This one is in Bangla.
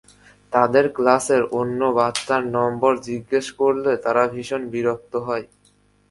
তাদের ক্লাসের অন্য বাচ্চার নম্বর জিজ্ঞেস করলে তারা ভীষণ বিরক্ত হয়।